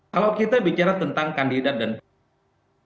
kalau kita bicara tentang kandidat dan